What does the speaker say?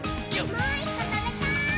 もう１こ、たべたい！